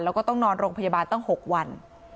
แล้วก็ต้องนอนโรงพยาบาลตั้ง๖วัน